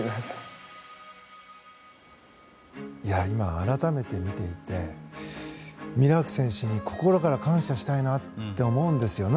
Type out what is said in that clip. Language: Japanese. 今、改めて見ていてミラーク選手に心から感謝したいと思うんです。